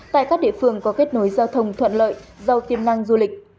tại các địa phương có kết nối giao thông thuận lợi giàu tiềm năng du lịch